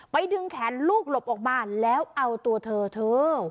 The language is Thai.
ดึงแขนลูกหลบออกมาแล้วเอาตัวเธอเธอ